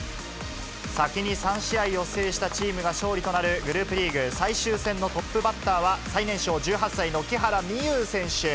先に３試合を制したチームが勝利となるグループリーグ最終戦のトップバッターは最年少、１８歳の木原美悠選手。